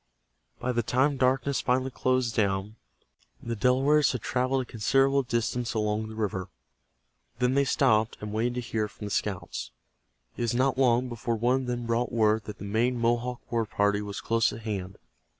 By the time darkness finally closed down the Delawares had traveled a considerable distance along the river. Then they stopped, and waited to hear from the scouts. It was not long before one of them brought word that the main Mohawk war party was close at hand.